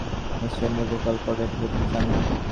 নিশ্চয় নিজের ভোকাল কর্ডের ক্ষতি চান না।